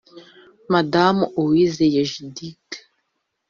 Madamu Uwizeye Judith